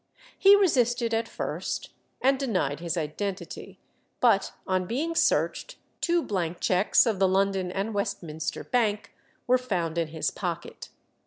He resisted at first, and denied his identity, but on being searched, two blank cheques of the London and Westminster Bank were found in his pocket.